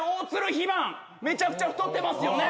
肥満めちゃくちゃ太ってますよね？